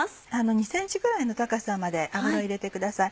２ｃｍぐらいの高さまで油を入れてください。